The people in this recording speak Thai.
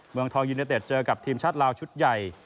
เมืองทองยูเนเต็ดเจอกับทีมชาติลาวชุดใหญ่